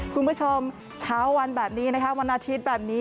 คุณผู้ชมเช้าวันแบบนี้นะคะวันอาทิตย์แบบนี้